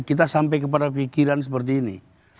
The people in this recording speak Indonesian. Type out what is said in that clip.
kita sampai kepada pikiran seperti ini